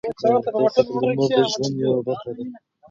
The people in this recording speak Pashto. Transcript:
د روغتیا ساتل د مور د ژوند یوه برخه ده.